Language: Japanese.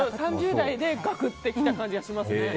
３０代でガクッと来た感じがしますね。